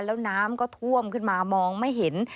แล้วน้ำก็ท่วมขึ้นมามองไม่เห็น